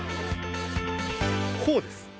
こうです！